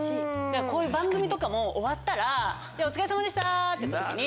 こういう番組とかも終わったらお疲れさまでした！って言った時に。